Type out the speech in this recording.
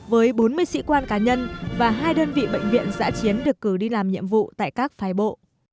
với bốn mươi sĩ quan cá nhân và hai đơn vị bệnh viện giã chiến được cử đi làm nhiệm vụ tại các phái bộ